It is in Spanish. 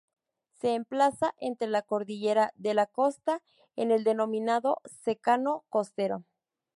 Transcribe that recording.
Se emplaza entre la Cordillera de la Costa, en el denominado secano costero.